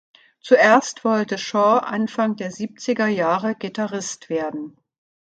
Zuerst wollte Shaw Anfang der Siebziger Jahre Gitarrist werden.